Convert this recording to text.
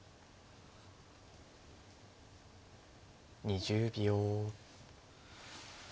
２０秒。